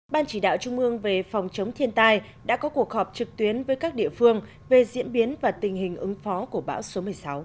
ban chỉ đạo trung ương về phòng chống thiên tai đã có cuộc họp trực tuyến với các địa phương về diễn biến và tình hình ứng phó của bão số một mươi sáu